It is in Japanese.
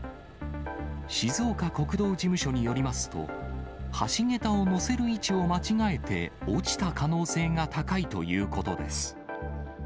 静岡国道事務所によりますと、橋桁を載せる位置を間違えて落ちた可能性が高いということです。